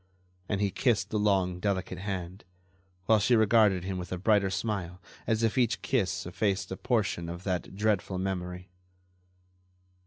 And he kissed the long, delicate hand, while she regarded him with a brighter smile as if each kiss effaced a portion of that dreadful memory.